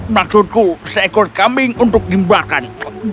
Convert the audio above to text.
maksudku seekor kambing untuk dimbahkan